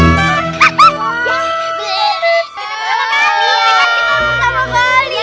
kita pertama kali ya